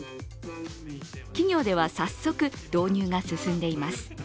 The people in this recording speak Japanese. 企業では早速、導入が進んでいます